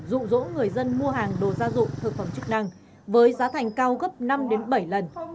rụ rỗ người dân mua hàng đồ gia dụng thực phẩm chức năng với giá thành cao gấp năm bảy lần